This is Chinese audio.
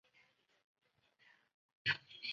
每年的青森睡魔祭更是外地游客的焦点。